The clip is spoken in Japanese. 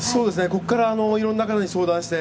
ここからいろんな方に相談して。